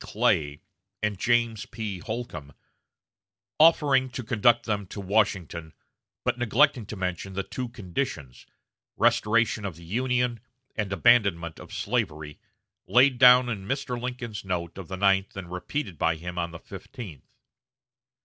Clay and James P. Holcombe, offering to conduct them to Washington, but neglecting to mention the two conditions restoration of the Union and abandonment of slavery laid down in Mr. Lincoln's note of the ninth and repeated by him on the fifteenth.